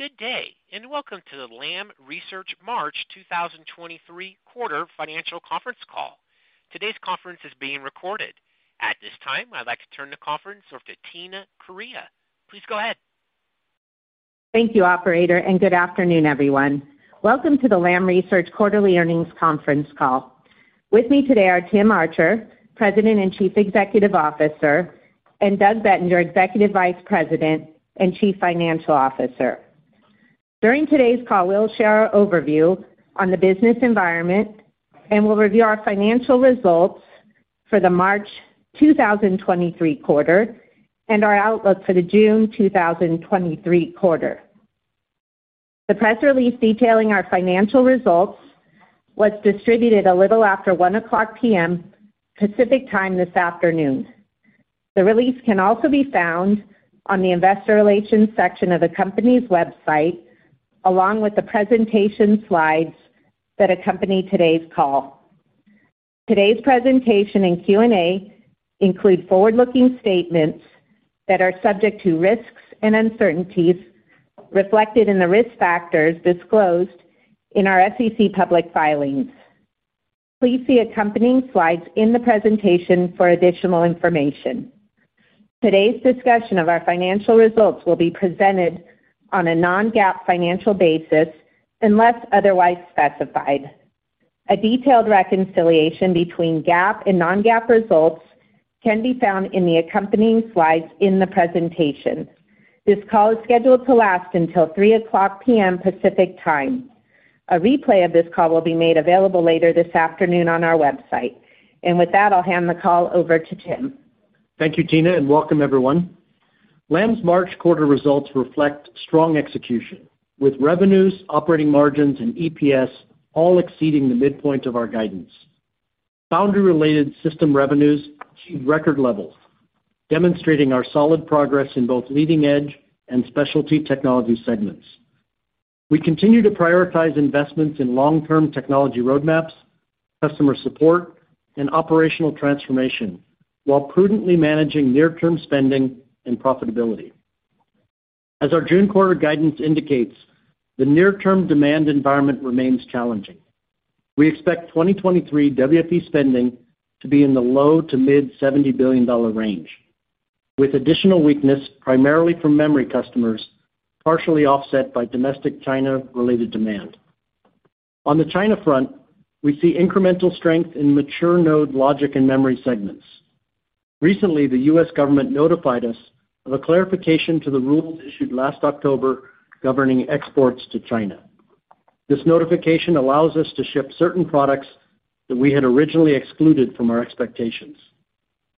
Good day, welcome to the Lam Research March 2023 quarter financial conference call. Today's conference is being recorded. At this time, I'd like to turn the conference over to Tina Correia. Please go ahead. Thank you, operator. Good afternoon, everyone. Welcome to the Lam Research quarterly earnings conference call. With me today are Tim Archer, President and Chief Executive Officer, and Doug Bettinger, Executive Vice President and Chief Financial Officer. During today's call, we'll share our overview on the business environment, and we'll review our financial results for the March 2023 quarter and our outlook for the June 2023 quarter. The press release detailing our financial results was distributed a little after 1:00PM Pacific Time this afternoon. The release can also be found on the investor relations section of the company's website, along with the presentation slides that accompany today's call. Today's presentation and Q&A include forward-looking statements that are subject to risks and uncertainties reflected in the risk factors disclosed in our SEC public filings. Please see accompanying slides in the presentation for additional information. Today's discussion of our financial results will be presented on a non-GAAP financial basis, unless otherwise specified. A detailed reconciliation between GAAP and non-GAAP results can be found in the accompanying slides in the presentation. This call is scheduled to last until 3:00PM Pacific Time. A replay of this call will be made available later this afternoon on our website. With that, I'll hand the call over to Tim. Thank you, Tina, and welcome everyone. Lam's March quarter results reflect strong execution, with revenues, operating margins, and EPS all exceeding the midpoint of our guidance. Foundry-related system revenues achieved record levels, demonstrating our solid progress in both leading-edge and specialty technology segments. We continue to prioritize investments in long-term technology roadmaps, customer support, and operational transformation, while prudently managing near-term spending and profitability. As our June quarter guidance indicates, the near-term demand environment remains challenging. We expect 2023 WFE spending to be in the low to mid-$70 billion range, with additional weakness primarily from memory customers, partially offset by domestic China-related demand. On the China front, we see incremental strength in mature node logic and memory segments. Recently, the U.S. government notified us of a clarification to the rules issued last October governing exports to China. This notification allows us to ship certain products that we had originally excluded from our expectations.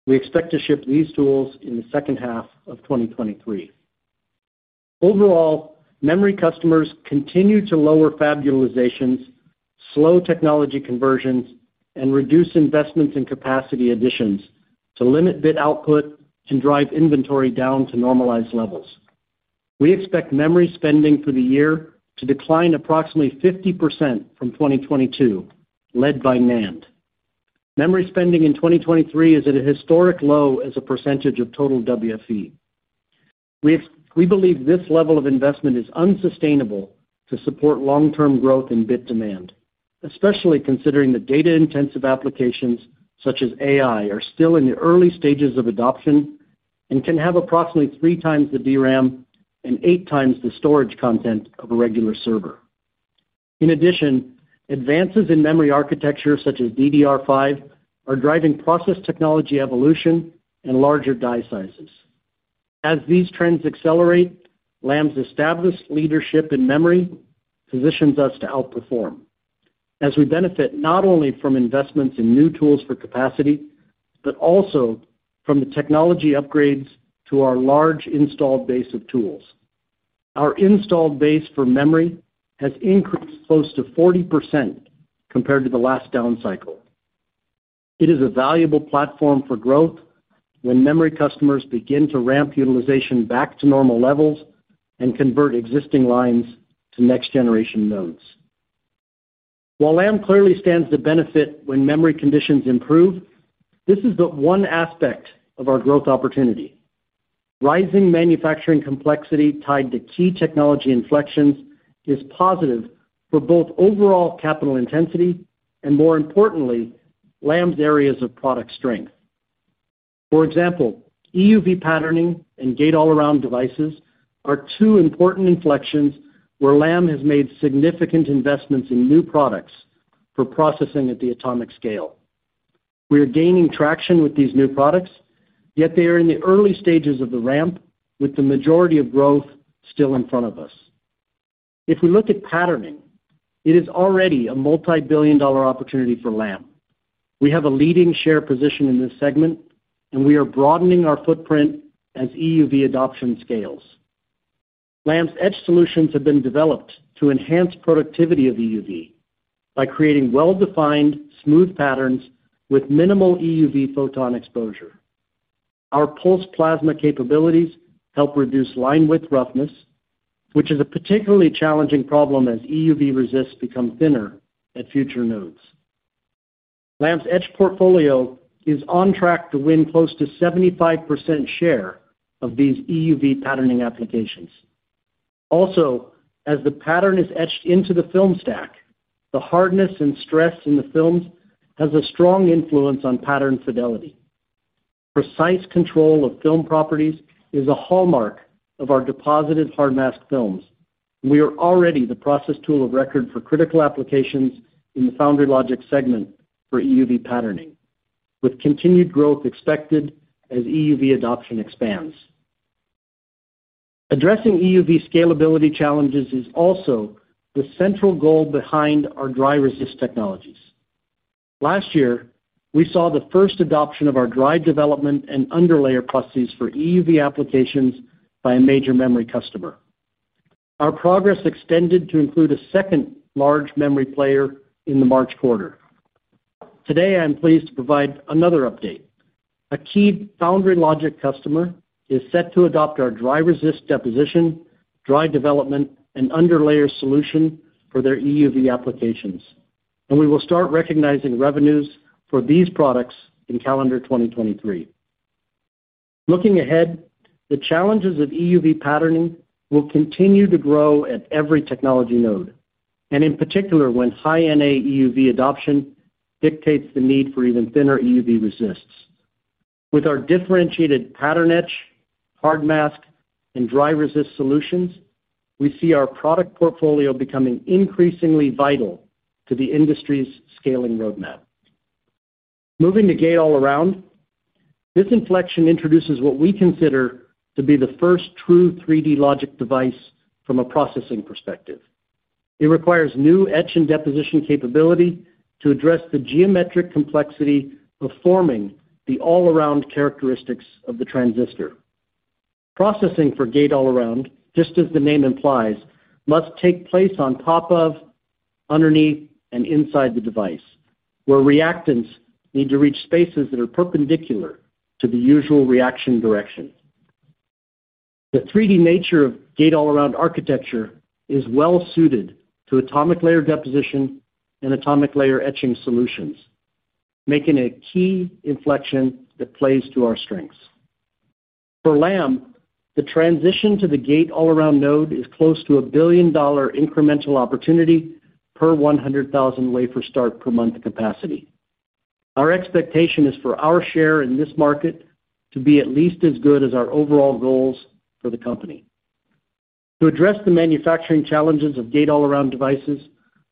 We expect to ship these tools in the H2 of 2023. Overall, memory customers continue to lower fab utilizations, slow technology conversions, and reduce investments in capacity additions to limit bit output and drive inventory down to normalized levels. We expect memory spending for the year to decline approximately 50% from 2022, led by NAND. Memory spending in 2023 is at a historic low as a percentage of total WFE. We believe this level of investment is unsustainable to support long-term growth in bit demand, especially considering the data-intensive applications such as AI are still in the early stages of adoption and can have approximately three times the DRAM and eight times the storage content of a regular server. In addition, advances in memory architecture such as DDR5 are driving process technology evolution and larger die sizes. As these trends accelerate, Lam's established leadership in memory positions us to outperform as we benefit not only from investments in new tools for capacity, but also from the technology upgrades to our large installed base of tools. Our installed base for memory has increased close to 40% compared to the last down cycle. It is a valuable platform for growth when memory customers begin to ramp utilization back to normal levels and convert existing lines to next-generation nodes. While Lam clearly stands to benefit when memory conditions improve, this is the one aspect of our growth opportunity. Rising manufacturing complexity tied to key technology inflections is positive for both overall capital intensity and, more importantly, Lam's areas of product strength. For example, EUV patterning and gate-all-around devices are two important inflections where Lam has made significant investments in new products for processing at the atomic scale. We are gaining traction with these new products, yet they are in the early stages of the ramp, with the majority of growth still in front of us. If we look at patterning, it is already a multi-billion dollar opportunity for Lam. We have a leading share position in this segment, and we are broadening our footprint as EUV adoption scales. Lam's edge solutions have been developed to enhance productivity of EUV by creating well-defined, smooth patterns with minimal EUV photon exposure. Our pulsed plasma capabilities help reduce line-width roughness, which is a particularly challenging problem as EUV resists become thinner at future nodes. Lam's etch portfolio is on track to win close to 75% share of these EUV patterning applications. As the pattern is etched into the film stack, the hardness and stress in the films has a strong influence on pattern fidelity. Precise control of film properties is a hallmark of our deposited hard mask films. We are already the process tool of record for critical applications in the foundry logic segment for EUV patterning, with continued growth expected as EUV adoption expands. Addressing EUV scalability challenges is also the central goal behind our dry resist technologies. Last year, we saw the first adoption of our dry development and underlayer processes for EUV applications by a major memory customer. Our progress extended to include a second large memory player in the March quarter. Today, I am pleased to provide another update. A key foundry logic customer is set to adopt our dry resist deposition, dry development, and underlayer solution for their EUV applications, and we will start recognizing revenues for these products in calendar 2023. Looking ahead, the challenges of EUV patterning will continue to grow at every technology node, and in particular, when High NA EUV adoption dictates the need for even thinner EUV resists. With our differentiated pattern etch, hard mask, and dry resist solutions, we see our product portfolio becoming increasingly vital to the industry's scaling roadmap. Moving to Gate-All-Around, this inflection introduces what we consider to be the first true 3D logic device from a processing perspective. It requires new etch and deposition capability to address the geometric complexity of forming the all-around characteristics of the transistor. Processing for Gate-All-Around, just as the name implies, must take place on top of, underneath, and inside the device, where reactants need to reach spaces that are perpendicular to the usual reaction direction. The 3D nature of Gate-All-Around architecture is well-suited to atomic layer deposition and atomic layer etching solutions, making a key inflection that plays to our strengths. For Lam, the transition to the Gate-All-Around node is close to a billion-dollar incremental opportunity per 100,000 wafer start per month capacity. Our expectation is for our share in this market to be at least as good as our overall goals for the company. To address the manufacturing challenges of Gate-All-Around devices,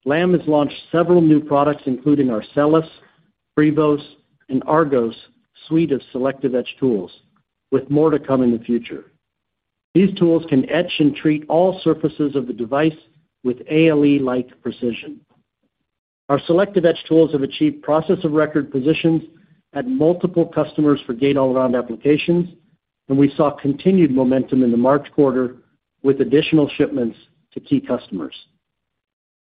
Lam has launched several new products, including our Selis, Prevos, and Argos suite of selective etch tools, with more to come in the future. These tools can etch and treat all surfaces of the device with ALE-like precision. Our selective etch tools have achieved process-of-record positions at multiple customers for gate-all-around applications, and we saw continued momentum in the March quarter with additional shipments to key customers.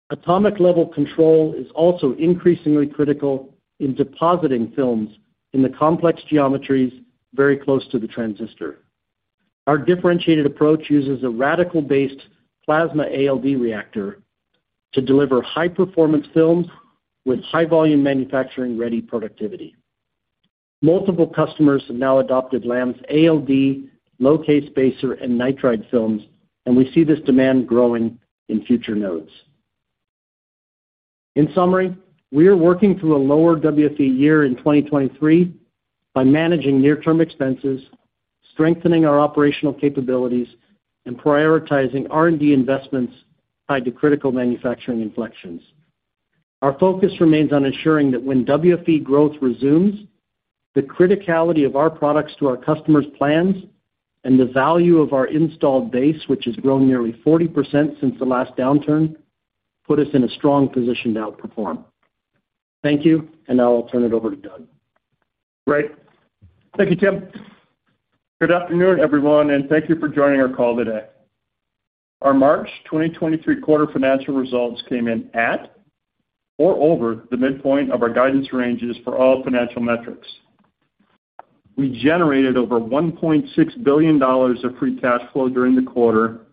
Atomic-level control is also increasingly critical in depositing films in the complex geometries very close to the transistor. Our differentiated approach uses a radical-based plasma ALD reactor to deliver high-performance films with high-volume manufacturing ready productivity. Multiple customers have now adopted Lam's ALD, low-k spacer, and nitride films, and we see this demand growing in future nodes. In summary, we are working through a lower WFE year in 2023 by managing near-term expenses, strengthening our operational capabilities, and prioritizing R&D investments tied to critical manufacturing inflections. Our focus remains on ensuring that when WFE growth resumes, the criticality of our products to our customers' plans and the value of our installed base, which has grown nearly 40% since the last downturn, put us in a strong position to outperform. Thank you. Now I'll turn it over to Doug. Great. Thank you, Tim. Good afternoon, everyone, thank you for joining our call today. Our March 2023 quarter financial results came in at or over the midpoint of our guidance ranges for all financial metrics. We generated over $1.6 billion of free cash flow during the quarter,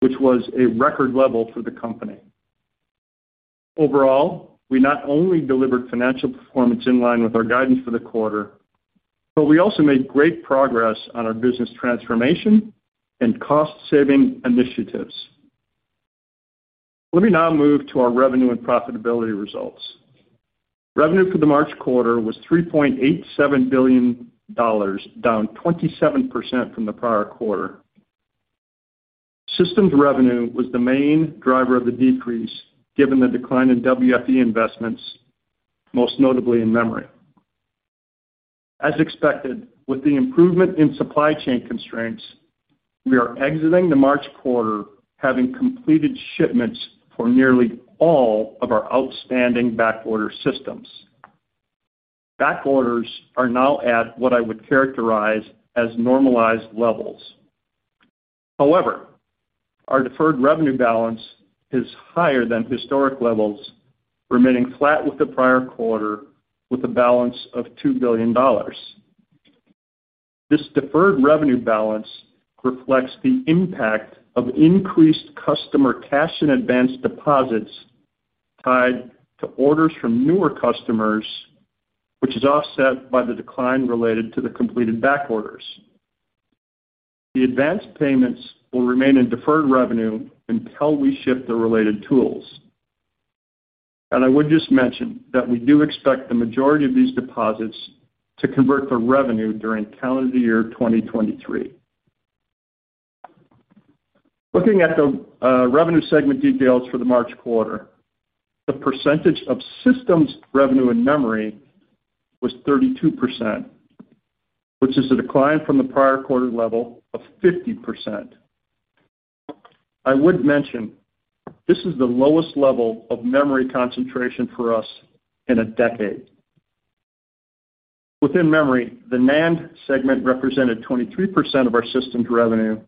which was a record level for the company. Overall, we not only delivered financial performance in line with our guidance for the quarter, but we also made great progress on our business transformation and cost-saving initiatives. Let me now move to our revenue and profitability results. Revenue for the March quarter was $3.87 billion, down 27% from the prior quarter. Systems revenue was the main driver of the decrease given the decline in WFE investments, most notably in memory. As expected, with the improvement in supply chain constraints, we are exiting the March quarter having completed shipments for nearly all of our outstanding backorder systems. Backorders are now at what I would characterize as normalized levels. However, our deferred revenue balance is higher than historic levels, remaining flat with the prior quarter with a balance of $2 billion. This deferred revenue balance reflects the impact of increased customer cash and advance deposits tied to orders from newer customers, which is offset by the decline related to the completed back orders. The advanced payments will remain in deferred revenue until we ship the related tools. I would just mention that we do expect the majority of these deposits to convert to revenue during calendar year 2023. Looking at the revenue segment details for the March quarter, the percentage of systems revenue and memory was 32%, which is a decline from the prior quarter level of 50%. I would mention this is the lowest level of memory concentration for us in a decade. Within memory, the NAND segment represented 23% of our systems revenue,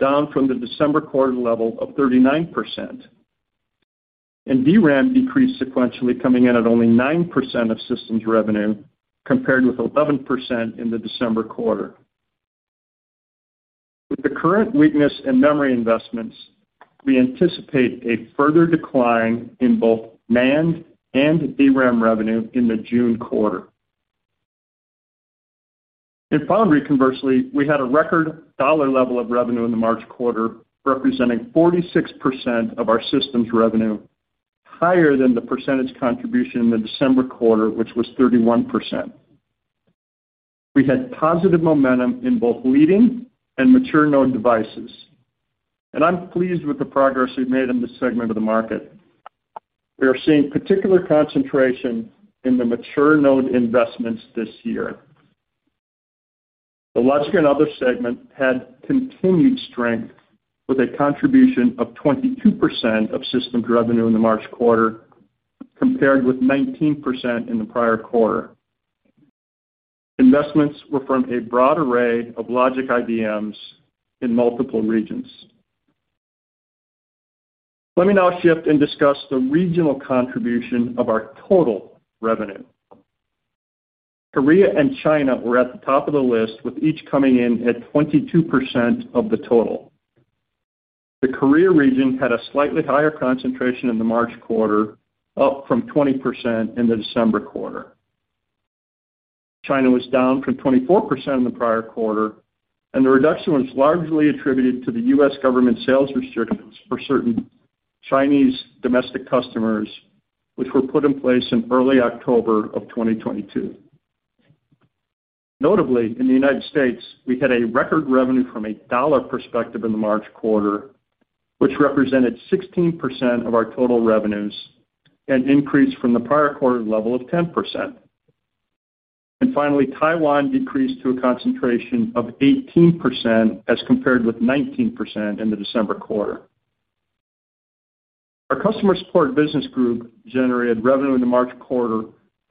down from the December quarter level of 39%. DRAM decreased sequentially, coming in at only 9% of systems revenue compared with 11% in the December quarter. With the current weakness in memory investments, we anticipate a further decline in both NAND and DRAM revenue in the June quarter. In Foundry, conversely, we had a record dollar level of revenue in the March quarter, representing 46% of our systems revenue, higher than the percentage contribution in the December quarter, which was 31%. We had positive momentum in both leading and mature node devices. I'm pleased with the progress we've made in this segment of the market. We are seeing particular concentration in the mature node investments this year. The logic and other segment had continued strength with a contribution of 22% of systems revenue in the March quarter compared with 19% in the prior quarter. Investments were from a broad array of logic IDMs in multiple regions. Let me now shift and discuss the regional contribution of our total revenue. Korea and China were at the top of the list, with each coming in at 22% of the total. The Korea region had a slightly higher concentration in the March quarter, up from 20% in the December quarter. China was down from 24% in the prior quarter. The reduction was largely attributed to the U.S. government sales restrictions for certain Chinese domestic customers, which were put in place in early October of 2022. Notably, in the United States, we had a record revenue from a dollar perspective in the March quarter, which represented 16% of our total revenues and increased from the prior quarter level of 10%. Finally, Taiwan decreased to a concentration of 18% as compared with 19% in the December quarter. Our Customer Support Business Group generated revenue in the March quarter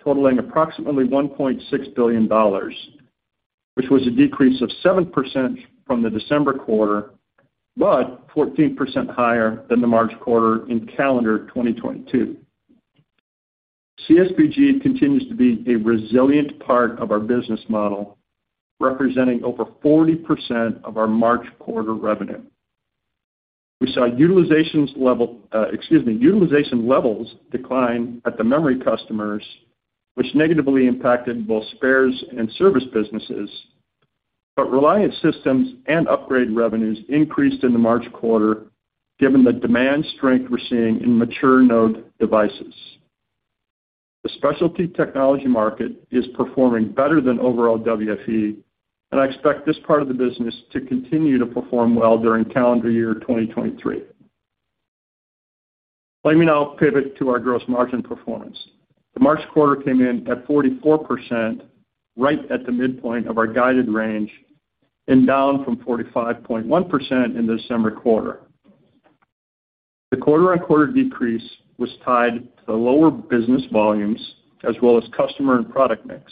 totaling approximately $1.6 billion, which was a decrease of 7% from the December quarter, but 14% higher than the March quarter in calendar 2022. CSBG continues to be a resilient part of our business model, representing over 40% of our March quarter revenue. We saw utilizations level, excuse me, utilization levels decline at the memory customers, which negatively impacted both spares and service businesses. Reliant systems and upgrade revenues increased in the March quarter given the demand strength we're seeing in mature node devices. The specialty technology market is performing better than overall WFE, and I expect this part of the business to continue to perform well during calendar year 2023. Let me now pivot to our gross margin performance. The March quarter came in at 44%, right at the midpoint of our guided range, and down from 45.1% in the December quarter. The quarter-on-quarter decrease was tied to the lower business volumes as well as customer and product mix.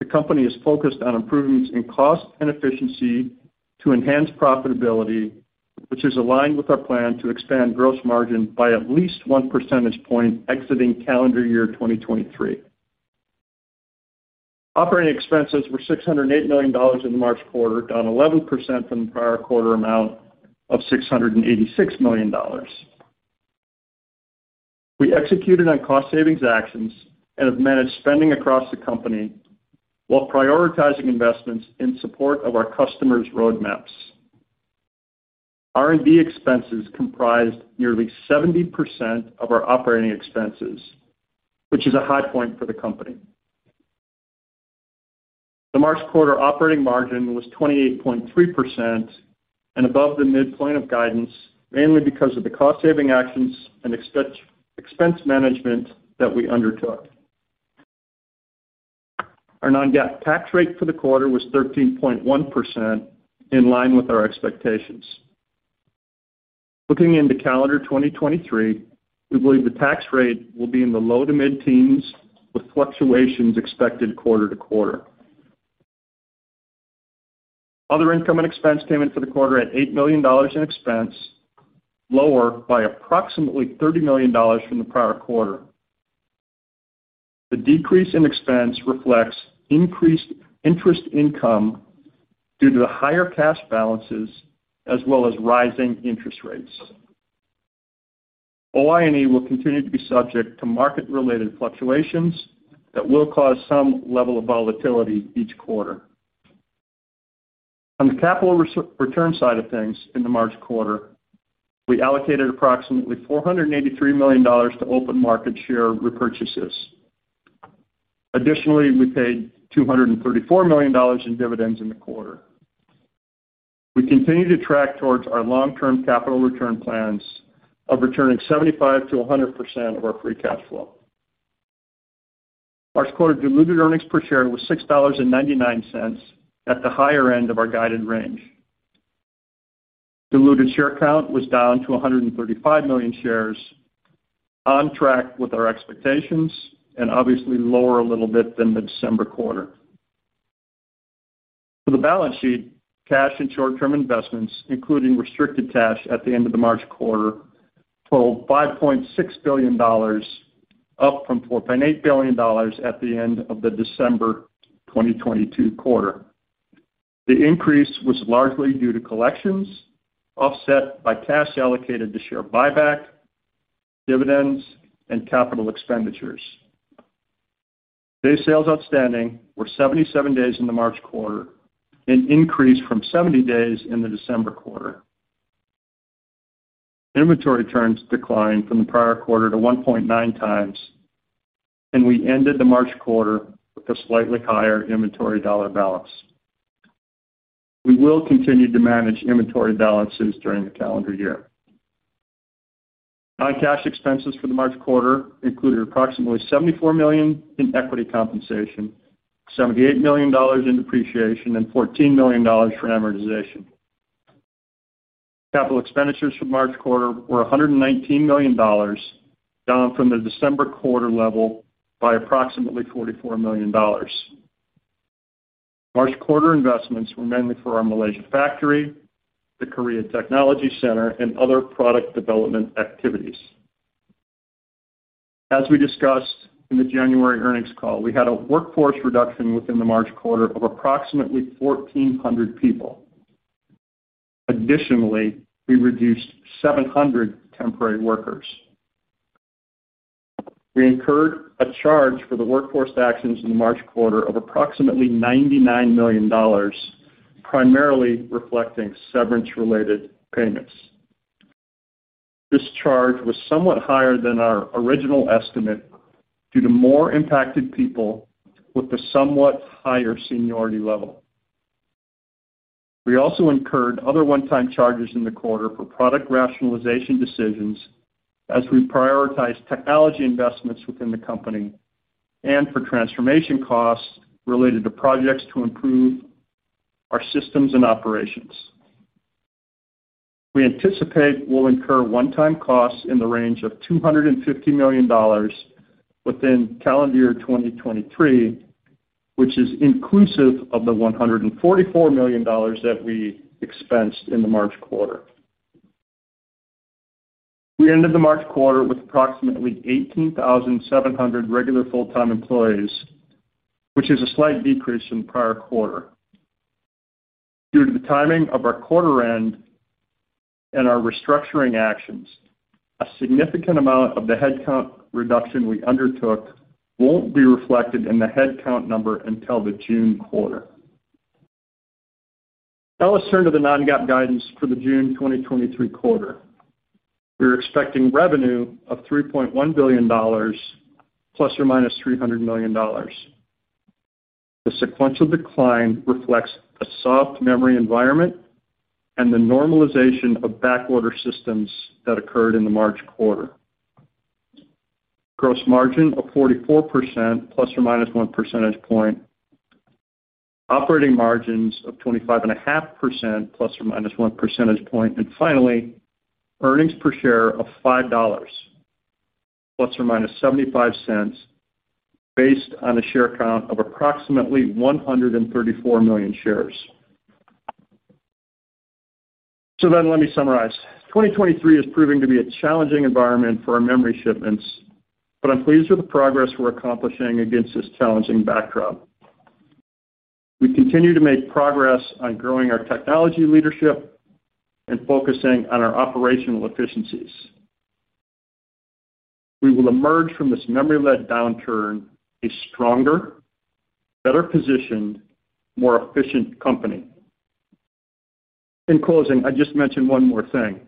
The company is focused on improvements in cost and efficiency to enhance profitability, which is aligned with our plan to expand gross margin by at least one percentage point exiting calendar year 2023. Operating expenses were $608 million in the March quarter, down 11% from the prior quarter amount of $686 million. We executed on cost savings actions and have managed spending across the company while prioritizing investments in support of our customers' roadmaps. R&D expenses comprised nearly 70% of our operating expenses, which is a high point for the company. The March quarter operating margin was 28.3% and above the midpoint of guidance, mainly because of the cost-saving actions and expense management that we undertook. Our non-GAAP tax rate for the quarter was 13.1%, in line with our expectations. Looking into calendar 2023, we believe the tax rate will be in the low to mid teens, with fluctuations expected quarter to quarter. Other income and expense came in for the quarter at $8 million in expense, lower by approximately $30 million from the prior quarter. The decrease in expense reflects increased interest income due to the higher cash balances as well as rising interest rates. OI&E will continue to be subject to market related fluctuations that will cause some level of volatility each quarter. On the capital return side of things in the March quarter, we allocated approximately $483 million to open market share repurchases. Additionally, we paid $234 million in dividends in the quarter. We continue to track towards our long-term capital return plans of returning 75%-100% of our free cash flow. March quarter diluted earnings per share was $6.99 at the higher end of our guided range. Diluted share count was down to 135 million shares, on track with our expectations and obviously lower a little bit than the December quarter. For the balance sheet, cash and short-term investments, including restricted cash at the end of the March quarter, totaled $5.6 billion, up from $4.8 billion at the end of the December 2022 quarter. The increase was largely due to collections offset by cash allocated to share buyback, dividends, and capital expenditures. Day sales outstanding were 77 days in the March quarter, an increase from 70 days in the December quarter. Inventory turns declined from the prior quarter to 1.9 times, and we ended the March quarter with a slightly higher inventory dollar balance. We will continue to manage inventory balances during the calendar year. Non-cash expenses for the March quarter included approximately $74 million in equity compensation, $78 million in depreciation, and $14 million for amortization. Capital expenditures for March quarter were $119 million, down from the December quarter level by approximately $44 million. March quarter investments were mainly for our Malaysia factory, the Korea Technology Center, and other product development activities. As we discussed in the January earnings call, we had a workforce reduction within the March quarter of approximately 1,400 people. Additionally, we reduced 700 temporary workers. We incurred a charge for the workforce actions in the March quarter of approximately $99 million, primarily reflecting severance related payments. This charge was somewhat higher than our original estimate due to more impacted people with a somewhat higher seniority level. We also incurred other one-time charges in the quarter for product rationalization decisions as we prioritize technology investments within the company and for transformation costs related to projects to improve our systems and operations. We anticipate we'll incur one-time costs in the range of $250 million within calendar year 2023, which is inclusive of the $144 million that we expensed in the March quarter. We ended the March quarter with approximately 18,700 regular full-time employees, which is a slight decrease in prior quarter. Due to the timing of our quarter end and our restructuring actions, a significant amount of the headcount reduction we undertook won't be reflected in the headcount number until the June quarter. Let's turn to the non-GAAP guidance for the June 2023 quarter. We're expecting revenue of $3.1 billion ± $300 million. The sequential decline reflects a soft memory environment and the normalization of backorder systems that occurred in the March quarter. Gross margin of 44% ± 1 percentage point. Operating margins of 25.5% ± 1 percentage point. Finally, earnings per share of $5 ± $0.75, based on a share count of approximately 134 million shares. Let me summarize. 2023 is proving to be a challenging environment for our memory shipments, but I'm pleased with the progress we're accomplishing against this challenging backdrop. We continue to make progress on growing our technology leadership and focusing on our operational efficiencies. We will emerge from this memory-led downturn a stronger, better positioned, more efficient company. In closing, I just mention one more thing,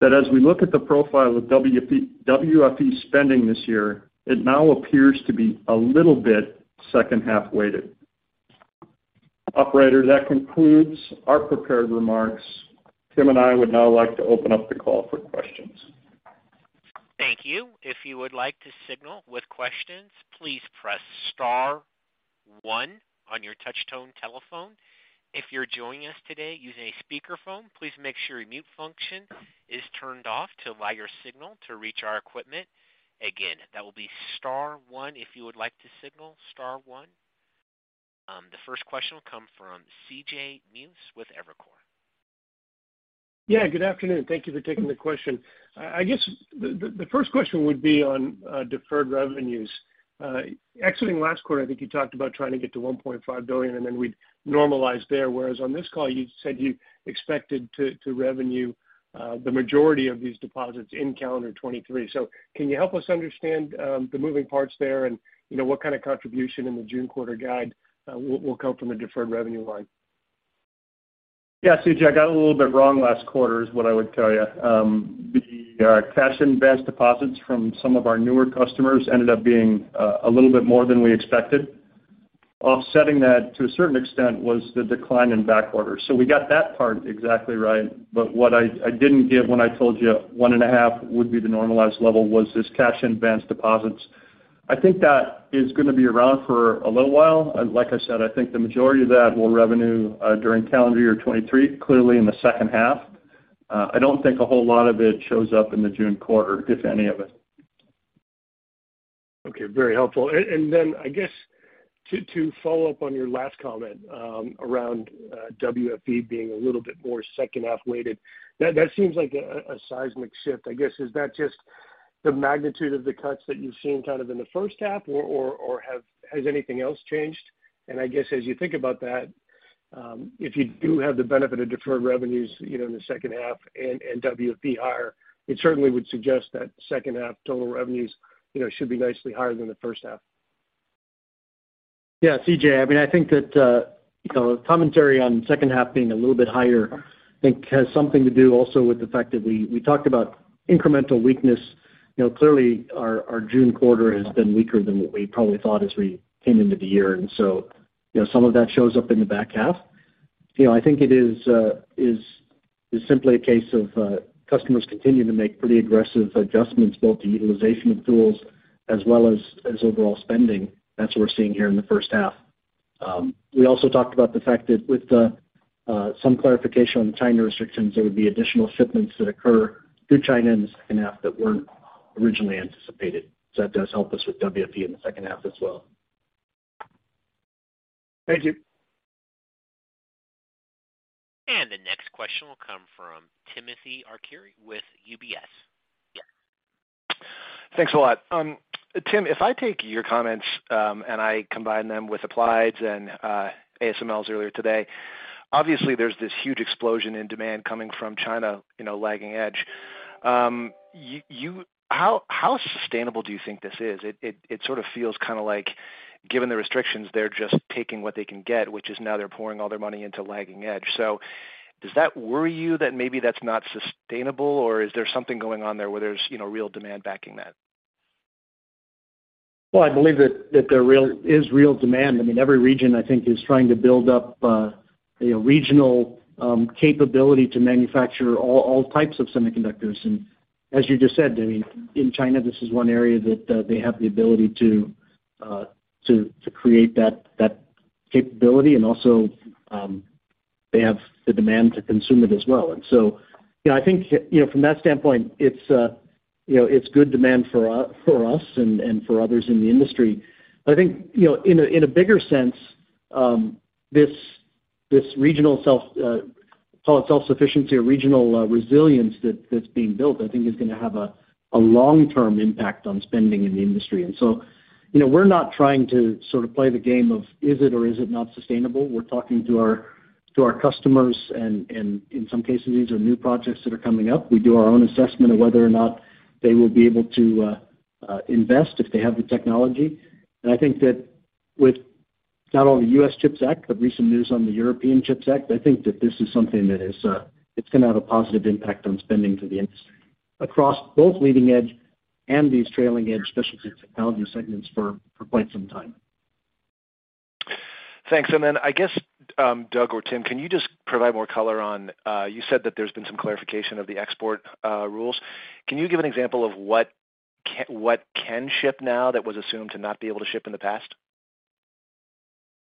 that as we look at the profile of WFE spending this year, it now appears to be a little bit H2 weighted. Operator, that concludes our prepared remarks. Tim and I would now like to open up the call for questions. Thank you. If you would like to signal with questions, please press star one on your touch tone telephone. If you're joining us today using a speakerphone, please make sure your mute function is turned off to allow your signal to reach our equipment. Again, that will be star one if you would like to signal, star one. The first question will come from CJ Muse with Evercore. Good afternoon. Thank you for taking the question. I guess the first question would be on deferred revenues. Exiting last quarter, I think you talked about trying to get to $1.5 billion, and then we'd normalize there. Whereas on this call, you said you expected to revenue the majority of these deposits in calendar 2023. Can you help us understand the moving parts there and, you know, what kind of contribution in the June quarter guide will come from the deferred revenue line? Yeah. CJ, I got a little bit wrong last quarter is what I would tell you. The cash advance deposits from some of our newer customers ended up being a little bit more than we expected. Offsetting that to a certain extent was the decline in back orders. We got that part exactly right, but what I didn't give when I told you 1/2 would be the normalized level was this cash advance deposits. I think that is gonna be around for a little while. Like I said, I think the majority of that will revenue during calendar year 2023, clearly in the H2. I don't think a whole lot of it shows up in the June quarter, if any of it. Okay, very helpful. Then I guess to follow up on your last comment, around WFE being a little bit more H2 weighted. That seems like a seismic shift. I guess, is that just the magnitude of the cuts that you've seen kind of in the H1, or has anything else changed? I guess as you think about that, if you do have the benefit of deferred revenues, you know, in the H2 and WFE higher, it certainly would suggest that H2 total revenues, you know, should be nicely higher than the H1. Yeah, CJ. I mean, I think that, you know, commentary on H2 being a little bit higher, I think has something to do also with the fact that we talked about incremental weakness. You know, clearly our June quarter has been weaker than what we probably thought as we came into the year. You know, some of that shows up in the back half. You know, I think it is simply a case of customers continuing to make pretty aggressive adjustments both to utilization of tools as well as overall spending. That's what we're seeing here in the H1. We also talked about the fact that with the some clarification on China restrictions, there would be additional shipments that occur through China in the H2 that weren't originally anticipated. That does help us with WFE in the H2 as well. Thank you. The next question will come from Timothy Arcuri with UBS. Thanks a lot. Tim, if I take your comments, and I combine them with Applied's and ASML's earlier today, obviously there's this huge explosion in demand coming from China, you know, lagging edge. How sustainable do you think this is? It sort of feels kind of like given the restrictions, they're just taking what they can get, which is now they're pouring all their money into lagging edge. Does that worry you that maybe that's not sustainable, or is there something going on there where there's, you know, real demand backing that? Well, I believe that there is real demand. I mean, every region I think is trying to build up, you know, regional capability to manufacture all types of semiconductors. As you just said, I mean, in China, this is one area that they have the ability to create that capability, and also they have the demand to consume it as well. You know, I think, you know, from that standpoint it's, you know, it's good demand for us and for others in the industry. I think, you know, in a bigger sense, this regional self, call it self-sufficiency or regional resilience that's being built, I think is gonna have a long-term impact on spending in the industry. You know, we're not trying to sort of play the game of is it or is it not sustainable. We're talking to our customers and, in some cases, these are new projects that are coming up. We do our own assessment of whether or not they will be able to invest if they have the technology. I think that with not only U.S. Chips Act, but recent news on the European Chips Act, I think that this is something that is, it's gonna have a positive impact on spending for the industry across both leading edge and these trailing edge specialty technology segments for quite some time. Thanks. I guess Doug or Tim, can you just provide more color on, you said that there's been some clarification of the export rules. Can you give an example of what can ship now that was assumed to not be able to ship in the past?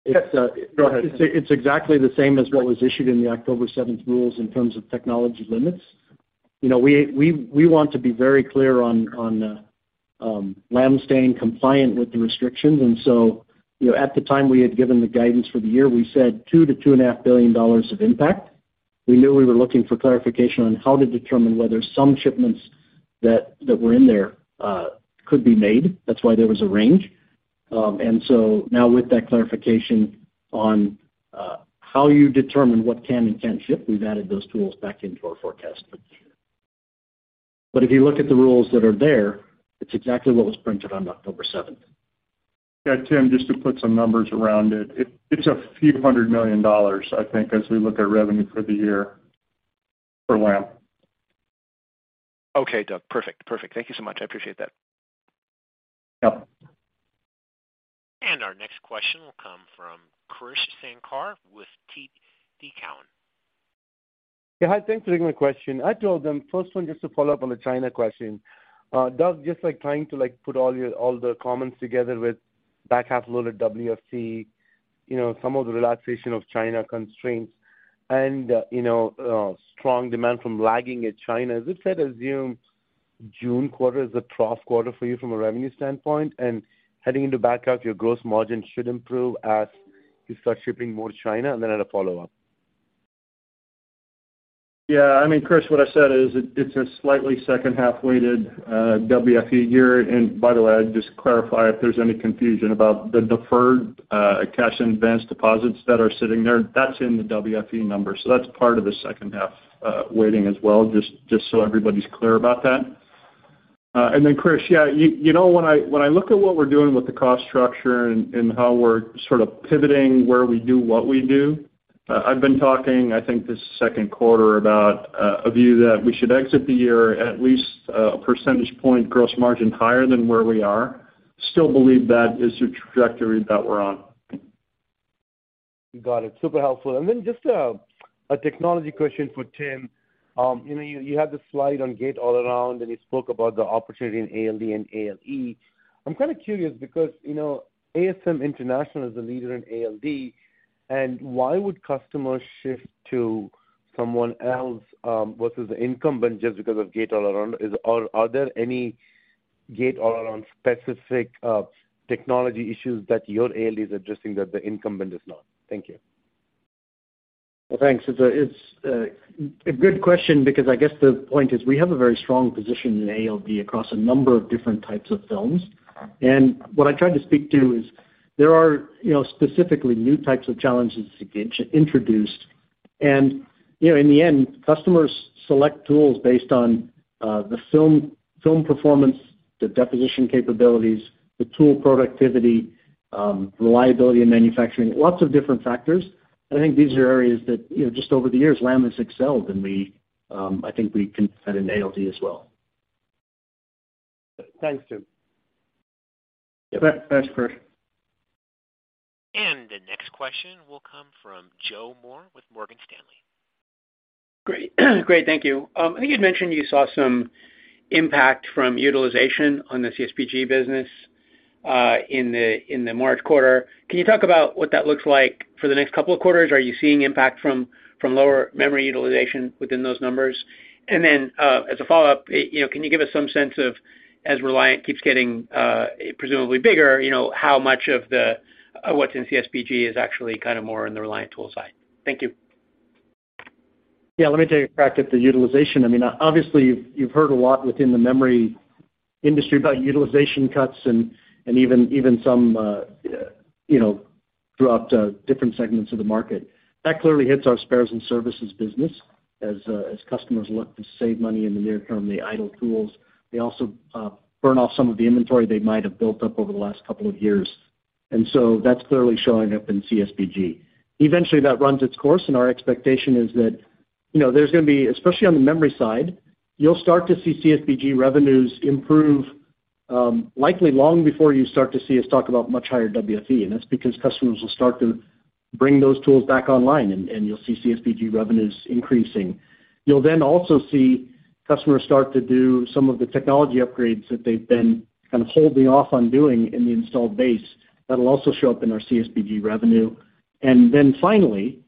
It's, uh- Go ahead. It's exactly the same as what was issued in the October seventh rules in terms of technology limits. You know, we want to be very clear on Lam staying compliant with the restrictions. You know, at the time we had given the guidance for the year, we said $2 billion-$2.5 billion of impact. We knew we were looking for clarification on how to determine whether some shipments that were in there could be made. That's why there was a range. Now with that clarification on how you determine what can and can't ship, we've added those tools back into our forecast for this year. If you look at the rules that are there, it's exactly what was printed on October seventh. Yeah. Tim, just to put some numbers around it's a few $100 million I think as we look at revenue for the year for Lam. Okay. Doug. Perfect. Thank you so much. I appreciate that. Yep. Our next question will come from Krish Sankar with TD Cowen. Yeah. Hi. Thanks for taking my question. I told them first one, just to follow up on the China question. Doug, just like trying to like put all the comments together with back half load at WFE, you know, some of the relaxation of China constraints and, you know, strong demand from lagging at China. As you've said, assume June quarter is the trough quarter for you from a revenue standpoint, and heading into back half, your gross margin should improve as you start shipping more to China. Then I had a follow-up. Yeah. I mean, Krish, what I said is it's a slightly H2-weighted WFE year. By the way, I'd just clarify if there's any confusion about the deferred cash in advance deposits that are sitting there, that's in the WFE number. That's part of the H2 waiting as well, just so everybody's clear about that. Then Krish, yeah, you know, when I look at what we're doing with the cost structure and how we're sort of pivoting where we do what we do, I've been talking, I think this second quarter about a view that we should exit the year at least a percentage point gross margin higher than where we are. Still believe that is the trajectory that we're on. Got it. Super helpful. Just a technology question for Tim. You know, you had the slide on Gate-All-Around, and you spoke about the opportunity in ALD and ALE. I'm kind of curious because, you know, ASM International is a leader in ALD, and why would customers shift to someone else versus the incumbent just because of Gate-All-Around? Are there any Gate-All-Around specific technology issues that your ALD is addressing that the incumbent is not? Thank you. Well, thanks. It's a good question because I guess the point is we have a very strong position in ALD across a number of different types of films. What I tried to speak to is there are, you know, specifically new types of challenges to get introduced. In the end, customers select tools based on the film performance, the deposition capabilities, the tool productivity, reliability in manufacturing, lots of different factors. I think these are areas that, you know, just over the years, Lam has excelled, and we, I think we can add an ALD as well. Thanks, Tim. Yep. Thanks, Chris. The next question will come from Joe Moore with Morgan Stanley. Great. Great. Thank you. I think you'd mentioned you saw some impact from utilization on the CSBG business in the March quarter. Can you talk about what that looks like for the next couple of quarters? Are you seeing impact from lower memory utilization within those numbers? Then, as a follow-up, you know, can you give us some sense of, as Reliant keeps getting, presumably bigger, you know, how much of the, what's in CSBG is actually kind of more in the Reliant tool side? Thank you. Yeah. Let me take a crack at the utilization. I mean, obviously, you've heard a lot within the memory industry about utilization cuts and even some, you know, throughout different segments of the market. That clearly hits our spares and services business as customers look to save money in the near term, the idle tools. They also burn off some of the inventory they might have built up over the last couple of years. That's clearly showing up in CSBG. Eventually, that runs its course, and our expectation is that, you know, there's gonna be, especially on the memory side, you'll start to see CSBG revenues improve, likely long before you start to see us talk about much higher WFE. That's because customers will start to bring those tools back online, and you'll see CSBG revenues increasing. You'll then also see customers start to do some of the technology upgrades that they've been kind of holding off on doing in the installed base. That'll also show up in our CSBG revenue. Finally,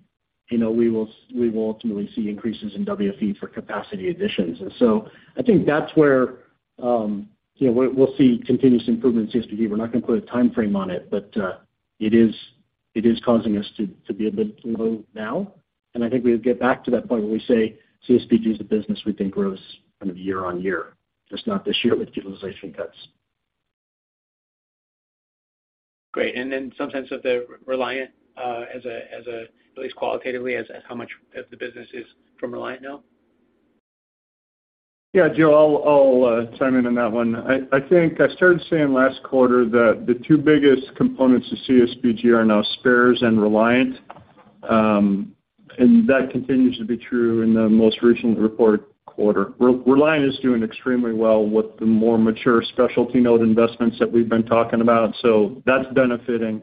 you know, we will ultimately see increases in WFE for capacity additions. I think that's where, you know, we'll see continuous improvement in CSBG. We're not gonna put a timeframe on it, but it is causing us to be a bit low now. I think we'll get back to that point where we say CSBG is the business we think grows kind of year-on-year, just not this year with utilization cuts. Great. Some sense of the Reliant, as a, at least qualitatively as how much of the business is from Reliant now. Yeah. Joe, I'll chime in on that one. I think I started saying last quarter that the two biggest components to CSBG are now spares and Reliant. That continues to be true in the most recent reported quarter. Reliant is doing extremely well with the more mature specialty node investments that we've been talking about. That's benefiting.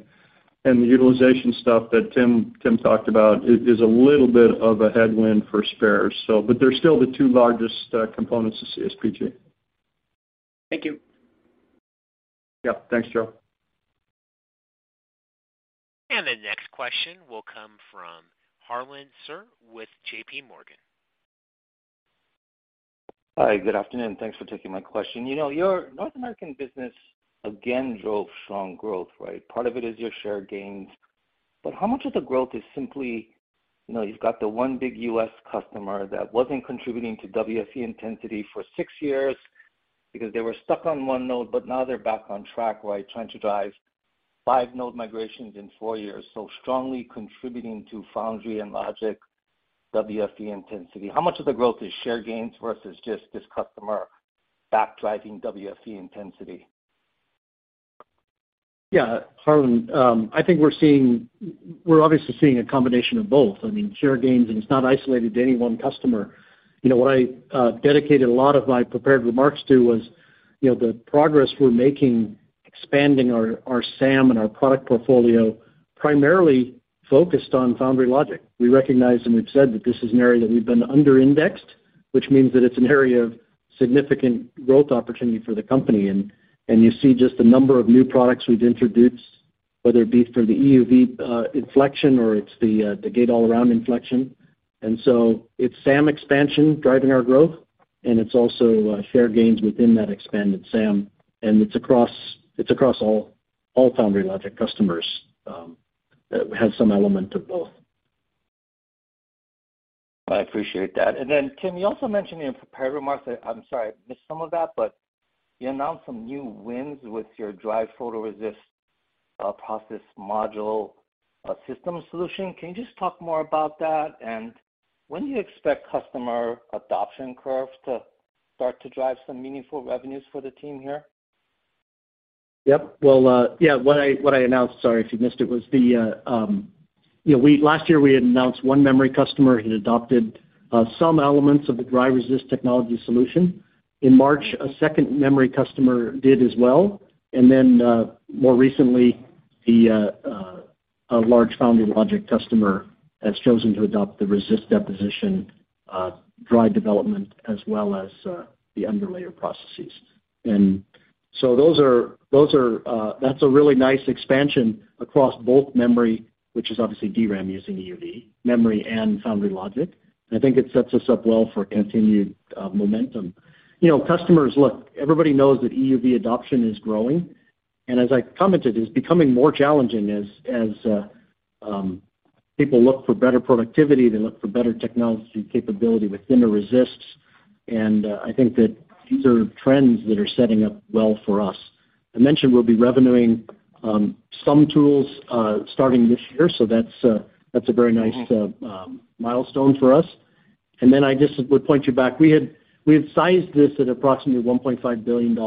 The utilization stuff that Tim talked about is a little bit of a headwind for spares. They're still the two largest components to CSBG. Thank you. Yeah. Thanks, Joe. The next question will come from Harlan Sur with J.P. Morgan. Hi. Good afternoon. Thanks for taking my question. You know, your North American business again drove strong growth, right? Part of it is your share gains, but how much of the growth is simply, you know, you've got the one big U.S. customer that wasn't contributing to WFE intensity for six years because they were stuck on one node, but now they're back on track, right, trying to drive five node migrations in four years, so strongly contributing to foundry and logic WFE intensity. How much of the growth is share gains versus just this customer back driving WFE intensity? Yeah. Harlan, I think We're obviously seeing a combination of both, I mean, share gains, and it's not isolated to any one customer. You know, what I dedicated a lot of my prepared remarks to was, you know, the progress we're making expanding our SAM and our product portfolio, primarily focused on foundry logic. We recognize, and we've said that this is an area that we've been under-indexed, which means that it's an area of significant growth opportunity for the company. You see just the number of new products we've introduced, whether it be through the EUV inflection or it's the gate-all-around inflection. It's SAM expansion driving our growth, and it's also share gains within that expanded SAM. It's across all foundry logic customers that have some element of both. I appreciate that. Tim, you also mentioned in your prepared remarks, I'm sorry I missed some of that, but you announced some new wins with your dry photoresist, process module, system solution. Can you just talk more about that? When do you expect customer adoption curve to start to drive some meaningful revenues for the team here? Yep. Well, yeah, what I, what I announced, sorry if you missed it, was, you know, Last year, we had announced one memory customer had adopted some elements of the dry resist technology solution. In March, a second memory customer did as well. More recently, a large Foundry Logic customer has chosen to adopt the resist deposition, dry development, as well as the underlayer processes. That's a really nice expansion across both memory, which is obviously DRAM using EUV, memory and Foundry Logic. I think it sets us up well for continued momentum. You know, Look, everybody knows that EUV adoption is growing. As I commented, it's becoming more challenging as people look for better productivity, they look for better technology capability with thinner resists. I think that these are trends that are setting up well for us. I mentioned we'll be revenuing some tools starting this year, so that's a very nice milestone for us. I just would point you back. We had sized this at approximately $1.5 billion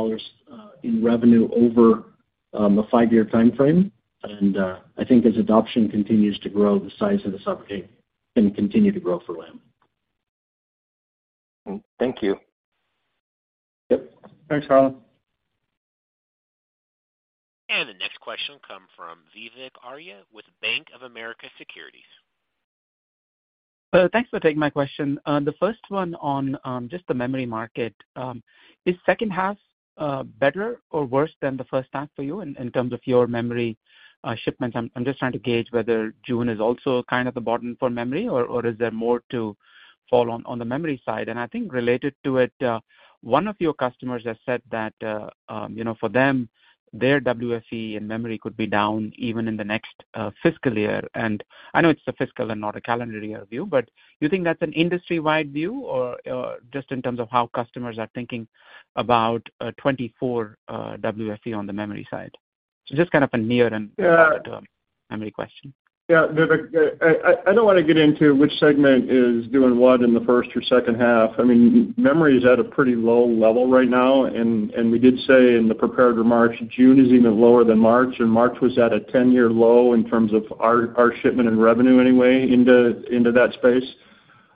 in revenue over a five-year timeframe. I think as adoption continues to grow, the size of this opportunity can continue to grow for Lam. Thank you. Yep. Thanks, Harlan. The next question come from Vivek Arya with Bank of America Securities. Thanks for taking my question. The first one on just the memory market. Is H2 better or worse than the H1 for you in terms of your memory shipments? I'm just trying to gauge whether June is also kind of the bottom for memory, or is there more to fall on the memory side. I think related to it, one of your customers has said that, you know, for them, their WFE in memory could be down even in the next fiscal year. I know it's a fiscal and not a calendar year view, but do you think that's an industry-wide view or just in terms of how customers are thinking about 2024 WFE on the memory side? Just kind of a near and- Uh- memory question. Yeah, Vivek, I don't wanna get into which segment is doing what in the first or H2. I mean, memory is at a pretty low level right now, and we did say in the prepared remarks, June is even lower than March, and March was at a 10-year low in terms of our shipment and revenue anyway into that space.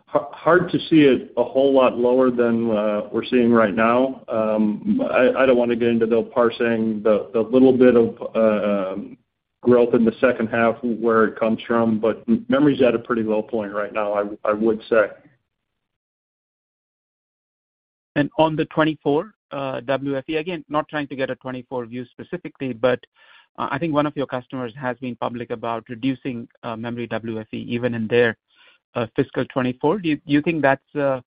Hard to see it a whole lot lower than we're seeing right now. I don't wanna get into the parsing the little bit of growth in the H2, where it comes from, but memory is at a pretty low point right now, I would say. On the 2024 WFE, again, not trying to get a 2024 view specifically, but I think one of your customers has been public about reducing memory WFE even in their fiscal 2024. Do you think that's a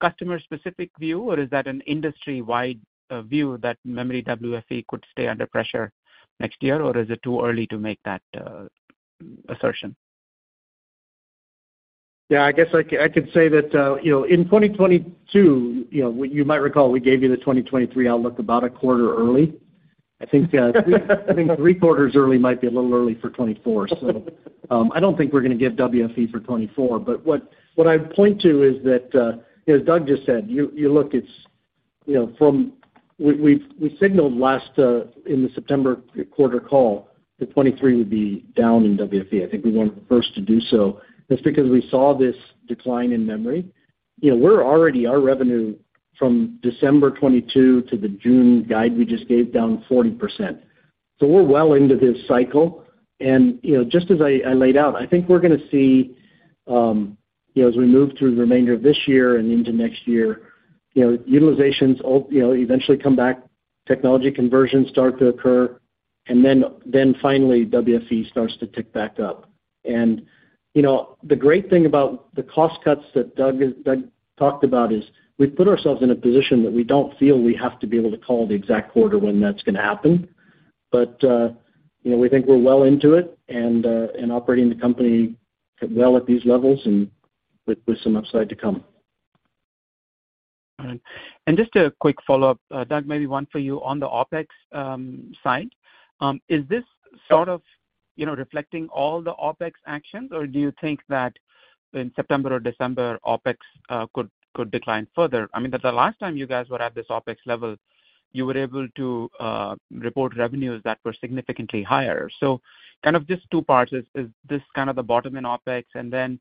customer-specific view, or is that an industry-wide view that memory WFE could stay under pressure next year, or is it too early to make that assertion? Yeah. I guess I could say that, you know, in 2022, you know, you might recall we gave you the 2023 outlook about a quarter early. I think three quarters early might be a little early for 2024. I don't think we're gonna give WFE for 2024, but what I'd point to is that, you know, as Doug just said, you look it's, you know, from We, we've, we signaled last in the September quarter call that 2023 would be down in WFE. I think we were one of the first to do so. That's because we saw this decline in memory. You know, we're already, our revenue from December 2022 to the June guide we just gave, down 40%. We're well into this cycle. You know, just as I laid out, I think we're gonna see, you know, as we move through the remainder of this year and into next year, you know, utilizations, you know, eventually come back, technology conversions start to occur, then finally WFE starts to tick back up. You know, the great thing about the cost cuts that Doug Bettinger talked about is we've put ourselves in a position that we don't feel we have to be able to call the exact quarter when that's gonna happen. You know, we think we're well into it and operating the company well at these levels and with some upside to come. All right. Just a quick follow-up, Doug, maybe one for you on the OpEx side. Is this sort of, you know, reflecting all the OpEx actions, or do you think that in September or December, OpEx could decline further? I mean, the last time you guys were at this OpEx level, you were able to report revenues that were significantly higher. Kind of just two parts. Is this kind of the bottom in OpEx? Then,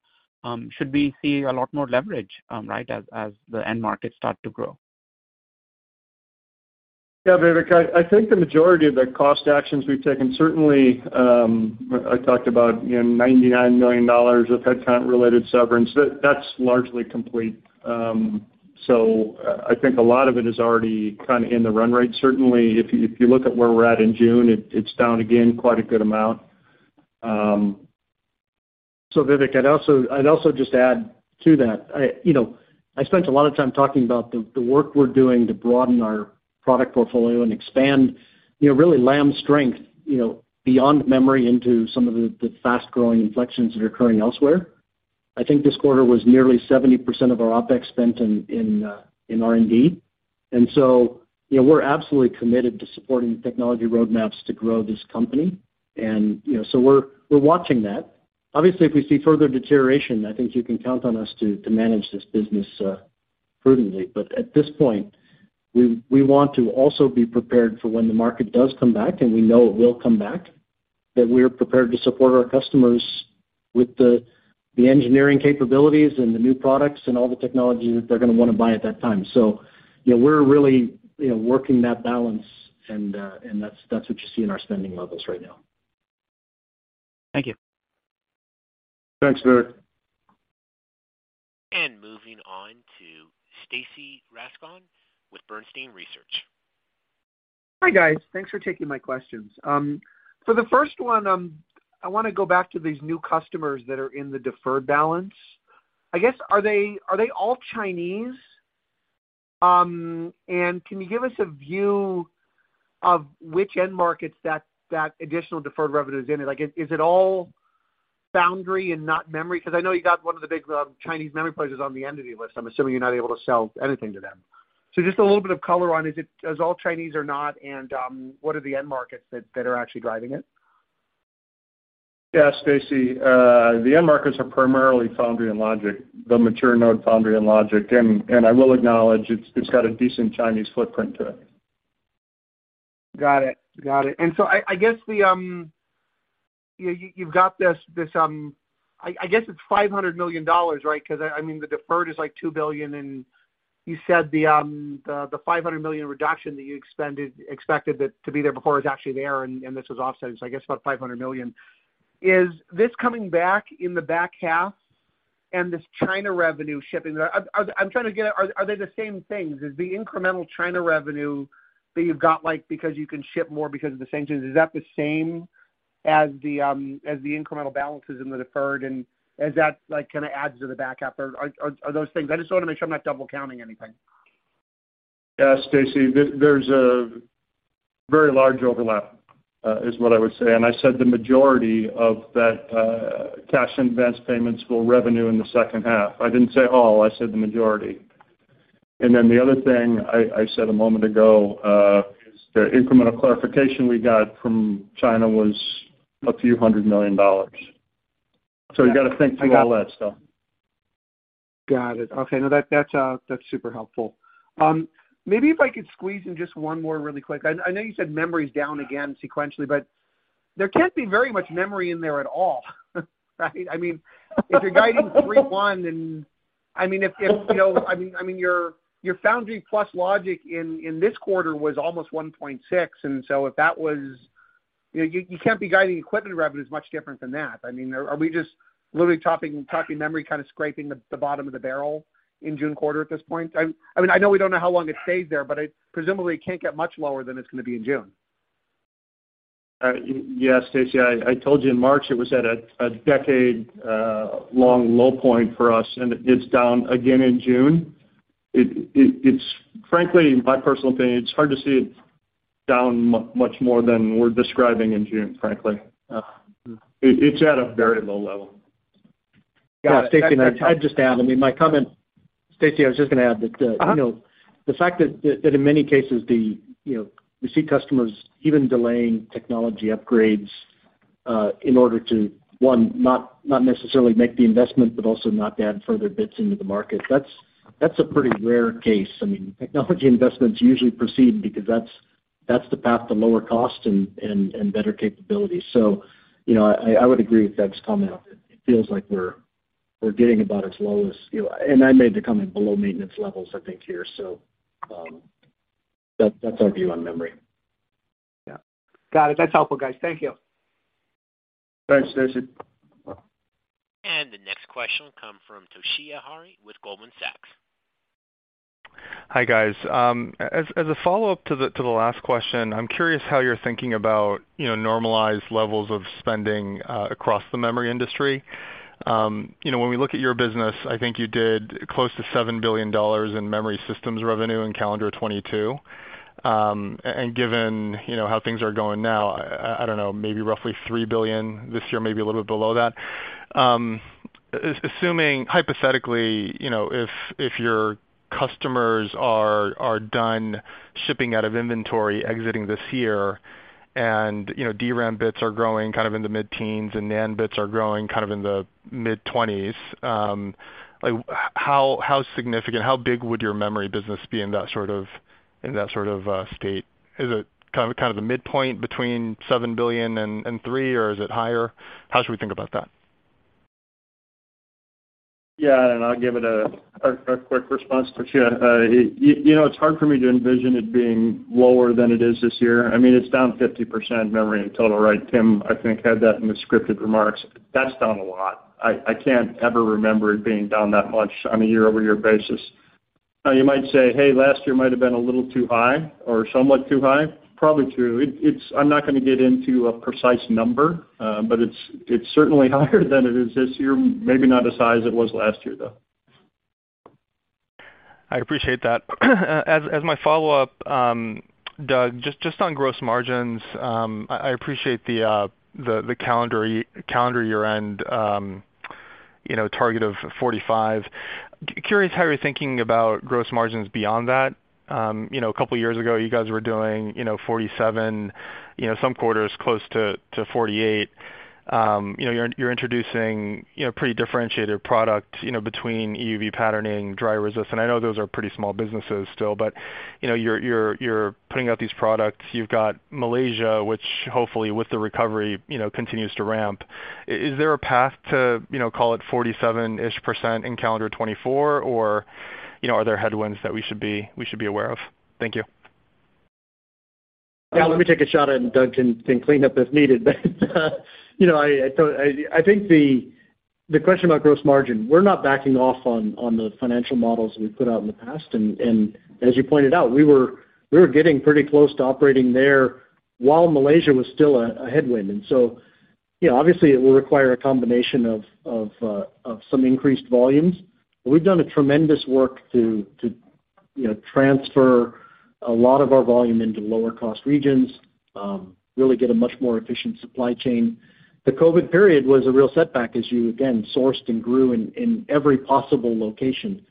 should we see a lot more leverage, right, as the end markets start to grow? Yeah, Vivek. I think the majority of the cost actions we've taken, certainly, I talked about, you know, $99 million of headcount-related severance. That's largely complete. I think a lot of it is already kind of in the run rate. Certainly, if you look at where we're at in June, it's down again quite a good amount. Vivek, I'd also just add to that. I, you know, I spent a lot of time talking about the work we're doing to broaden our product portfolio and expand, you know, really Lam's strength, you know, beyond memory into some of the fast-growing inflections that are occurring elsewhere. I think this quarter was nearly 70% of our OpEx spent in R&D. You know, we're absolutely committed to supporting technology roadmaps to grow this company. You know, we're watching that. Obviously, if we see further deterioration, I think you can count on us to manage this business prudently. At this point, we want to also be prepared for when the market does come back, and we know it will come back, that we're prepared to support our customers with the engineering capabilities and the new products and all the technology that they're gonna wanna buy at that time. You know, we're really, you know, working that balance, and that's what you see in our spending levels right now. Thank you. Thanks, Vivek. Moving on to Stacy Rasgon with Bernstein Research. Hi, guys. Thanks for taking my questions. For the first one, I wanna go back to these new customers that are in the deferred balance. I guess, are they all Chinese? Can you give us a view of which end markets that additional deferred revenue is in? Like, is it all foundry and not memory? 'Cause I know you got one of the big Chinese memory players on the entity list. I'm assuming you're not able to sell anything to them. Just a little bit of color on Is all Chinese or not? What are the end markets that are actually driving it? Yeah, Stacy, the end markets are primarily foundry and logic, the mature node foundry and logic. I will acknowledge it's got a decent Chinese footprint to it. Got it. Got it. I guess the, you've got this... I guess it's $500 million, right? 'Cause I mean, the deferred is, like, $2 billion, and you said the, the $500 million reduction that you expected it to be there before is actually there, and this was offset. So I guess about $500 million. Is this coming back in the back half? This China revenue shipping, I'm trying to get at are they the same things? Is the incremental China revenue that you've got, like, because you can ship more because of the sanctions, is that the same as the, as the incremental balances in the deferred? Is that, like, kinda adds to the back half? Or are those things... I just wanna make sure I'm not double counting anything. Yeah, Stacy, there's a very large overlap, is what I would say. I said the majority of that cash advance payments will revenue in the H2. I didn't say all, I said the majority. The other thing I said a moment ago, is the incremental clarification we got from China was a few hundred million dollars. You gotta think through all that stuff. Got it. Okay. No, that's super helpful. Maybe if I could squeeze in just one more really quick. I know you said memory's down again sequentially, but there can't be very much memory in there at all, right? If you're guiding $3.1, and I mean if, you know, I mean, your foundry plus logic in this quarter was almost $1.6. You can't be guiding equipment revenues much different than that. I mean, are we just literally chopping memory, kind of scraping the bottom of the barrel in June quarter at this point? I mean, I know we don't know how long it stays there, but presumably it can't get much lower than it's gonna be in June. yes, Stacy. I told you in March it was at a decade long low point for us, and it's down again in June. It's frankly, my personal opinion, it's hard to see it down much more than we're describing in June, frankly. Yeah. It's at a very low level. Got it. Stacy, I'd just add, I mean, Stacy, I was just gonna add that. Uh-huh. You know, the fact that in many cases the, you know, we see customers even delaying technology upgrades in order to, one, not necessarily make the investment, but also not to add further bits into the market. That's a pretty rare case. I mean, technology investments usually proceed because that's the path to lower cost and better capabilities. You know, I would agree with Doug's comment. It feels like we're getting about as low as, you know. I made the comment below maintenance levels, I think, here. That's our view on memory. Yeah. Got it. That's helpful, guys. Thank you. Thanks, Stacy. The next question will come from Toshiya Hari with Goldman Sachs. Hi, guys. As a follow-up to the last question, I'm curious how you're thinking about, you know, normalized levels of spending across the memory industry. You know, when we look at your business, I think you did close to $7 billion in memory systems revenue in calendar 2022. And given, you know, how things are going now, I don't know, maybe roughly $3 billion this year, maybe a little bit below that. Assuming hypothetically, you know, if your customers are done shipping out of inventory exiting this year and, you know, DRAM bits are growing kind of in the mid-teens and NAND bits are growing kind of in the mid-twenties, like how significant, how big would your memory business be in that sort of, in that sort of state? Is it kind of the midpoint between $7 billion and $3 billion, or is it higher? How should we think about that? Yeah. I'll give it a quick response, Toshiya. You know, it's hard for me to envision it being lower than it is this year. I mean, it's down 50% memory in total, right? Tim, I think, had that in the scripted remarks. That's down a lot. I can't ever remember it being down that much on a year-over-year basis. You might say, hey, last year might have been a little too high or somewhat too high. Probably true. I'm not gonna get into a precise number, it's certainly higher than it is this year, maybe not as high as it was last year, though. I appreciate that. As my follow-up, Doug, just on gross margins, I appreciate the calendar year-end, you know, target of 45%. Curious how you're thinking about gross margins beyond that. You know, a couple years ago, you guys were doing, you know, 47%, you know, some quarters close to 48%. You know, you're introducing, you know, pretty differentiated product, you know, between EUV patterning, dry resist, I know those are pretty small businesses still, but you know, you're putting out these products. You've got Malaysia, which hopefully with the recovery, you know, continues to ramp. Is there a path to, you know, call it 47%-ish percent in calendar 2024, or, you know, are there headwinds that we should be aware of? Thank you. Yeah, let me take a shot at it. Doug can clean up if needed. You know, I think the question about gross margin, we're not backing off on the financial models we've put out in the past. As you pointed out, we were getting pretty close to operating there while Malaysia was still a headwind. You know, obviously it will require a combination of some increased volumes. We've done a tremendous work to, you know, transfer a lot of our volume into lower cost regions, really get a much more efficient supply chain. The COVID period was a real setback as you again sourced and grew in every possible location.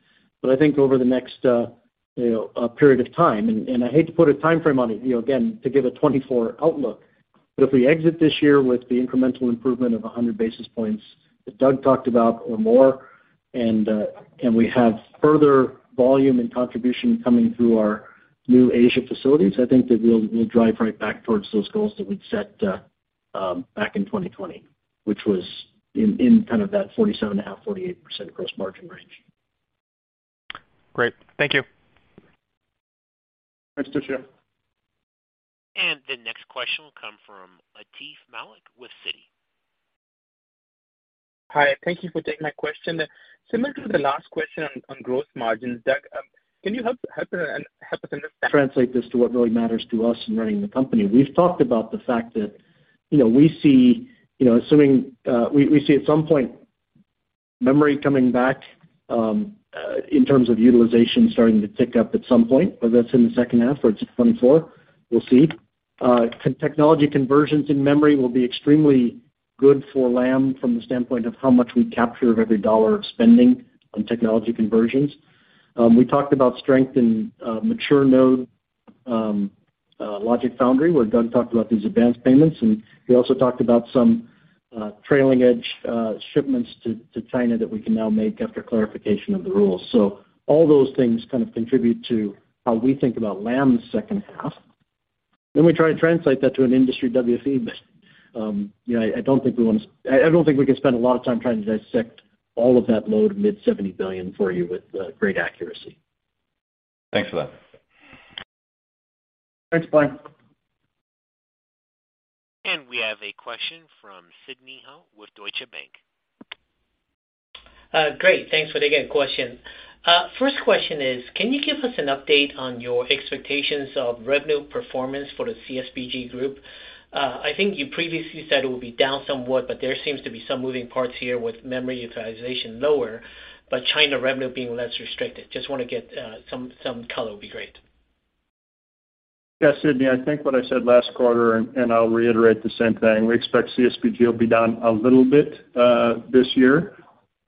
I think over the next, you know, period of time, and I hate to put a timeframe on it, you know, again, to give a 2024 outlook, but if we exit this year with the incremental improvement of 100 basis points that Doug talked about or more, and we have further volume and contribution coming through our new Asia facilities, I think that we'll drive right back towards those goals that we'd set, back in 2020, which was in kind of that 47.5%-48% gross margin range. Great. Thank you. Thanks, Toshiya. The next question will come from Atif Malik with Citi. Hi. Thank you for taking my question. Similar to the last question on growth margins, Doug, can you help us understand Translate this to what really matters to us in running the company. We've talked about the fact that, you know, we see, you know, assuming, we see at some point memory coming back, in terms of utilization starting to tick up at some point, whether that's in the H2 or it's 2024, we'll see. Technology conversions in memory will be extremely good for Lam from the standpoint of how much we capture of every $ of spending on technology conversions. We talked about strength in mature node, logic foundry, where Doug talked about these advanced payments, and he also talked about some trailing edge shipments to China that we can now make after clarification of the rules. All those things kind of contribute to how we think about Lam's H2. We try to translate that to an industry WFE. You know, I don't think we can spend a lot of time trying to dissect all of that load mid $70 billion for you with great accuracy. Thanks for that. Thanks, Brian. We have a question from Sidney Ho with Deutsche Bank. Great. Thanks for taking the question. First question is, can you give us an update on your expectations of revenue performance for the CSBG group? I think you previously said it will be down somewhat, but there seems to be some moving parts here with memory utilization lower, but China revenue being less restricted. Just wanna get some color would be great. Yeah, Sidney, I think what I said last quarter, and I'll reiterate the same thing, we expect CSBG will be down a little bit this year,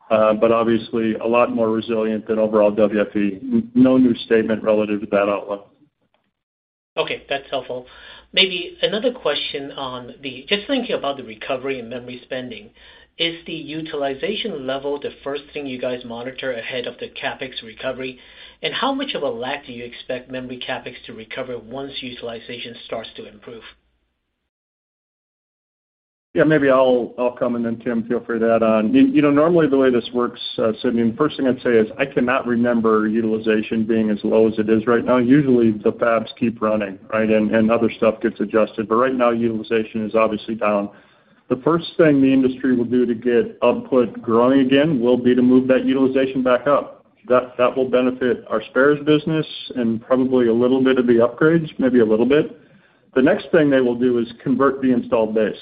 but obviously a lot more resilient than overall WFE. No new statement relative to that outlook. Okay, that's helpful. Maybe another question on the just thinking about the recovery in memory spending, is the utilization level the first thing you guys monitor ahead of the CapEx recovery? How much of a lag do you expect memory CapEx to recover once utilization starts to improve? Yeah, maybe I'll come and then Tim feel free to add on. You know, normally the way this works, Sidney, first thing I'd say is I cannot remember utilization being as low as it is right now. Usually the fabs keep running, right, and other stuff gets adjusted. Right now utilization is obviously down. The first thing the industry will do to get output growing again will be to move that utilization back up. That will benefit our spares business and probably a little bit of the upgrades, maybe a little bit. The next thing they will do is convert the installed base,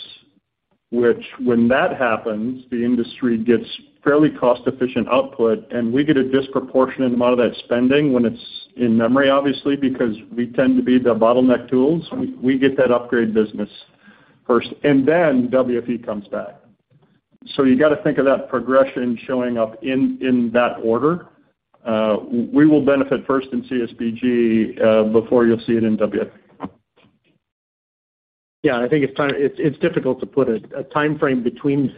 which when that happens, the industry gets fairly cost efficient output, and we get a disproportionate amount of that spending when it's in memory, obviously, because we tend to be the bottleneck tools. We get that upgrade business first, and then WFE comes back. You gotta think of that progression showing up in that order. We will benefit first in CSBG before you'll see it in WFE. Yeah, I think it's difficult to put a timeframe between.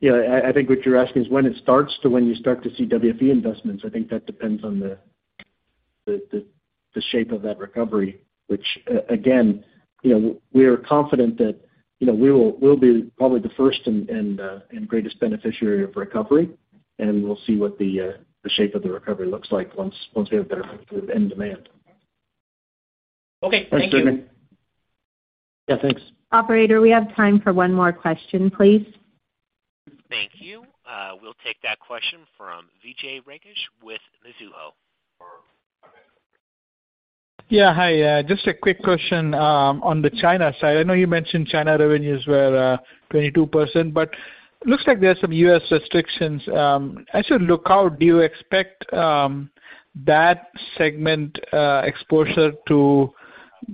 You know, I think what you're asking is when you start to see WFE investments. I think that depends on the shape of that recovery, which again, you know, we are confident that, you know, we will, we'll be probably the first and greatest beneficiary of recovery, and we'll see what the shape of the recovery looks like once we have better and demand. Okay, thank you. Thanks, Sidney. Yeah, thanks. Operator, we have time for one more question, please. Thank you. We'll take that question from Vijay Rakesh with Mizuho. Hi. Just a quick question on the China side. I know you mentioned China revenues were 22%, looks like there are some U.S. restrictions. As you look out, do you expect that segment exposure to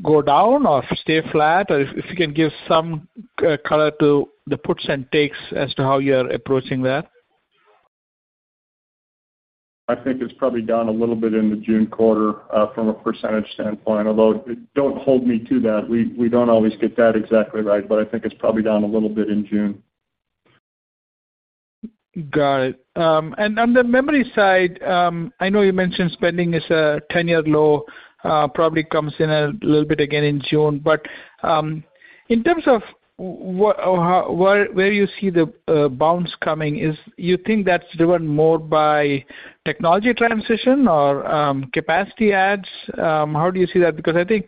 go down or stay flat? If you can give some color to the puts and takes as to how you're approaching that. I think it's probably down a little bit in the June quarter, from a percentage standpoint, although don't hold me to that. We don't always get that exactly right, but I think it's probably down a little bit in June. Got it. On the memory side, I know you mentioned spending is a 10-year low, probably comes in a little bit again in June. In terms of where you see the bounce coming, is you think that's driven more by technology transition or capacity ads? How do you see that? Because I think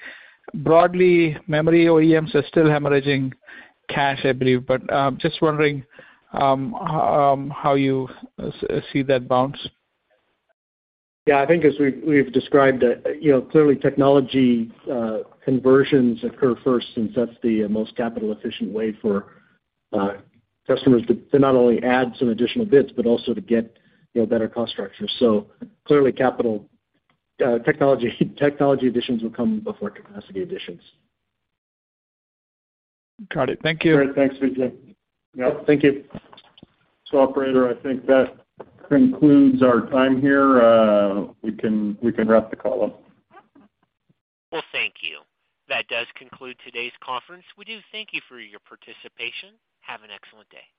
broadly, memory OEMs are still hemorrhaging cash, I believe. Just wondering how you see that bounce. Yeah, I think as we've described it, you know, clearly technology conversions occur first since that's the most capital efficient way for customers to not only add some additional bits, but also to get, you know, better cost structure. Clearly technology additions will come before capacity additions. Got it. Thank you. All right. Thanks, Vijay. Yeah. Thank you. Operator, I think that concludes our time here. We can wrap the call up. Thank you. That does conclude today's conference. We do thank you for your participation. Have an excellent day.